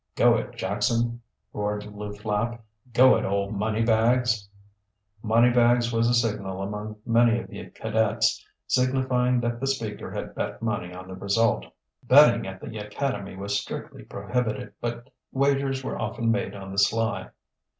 "Go it, Jackson," roared Lew Flapp. "Go it, old Moneybags!" "Moneybags" was a signal among many of the cadets, signifying that the speaker had bet money on the result. Betting at the academy was strictly prohibited, but wagers were often made on the sly.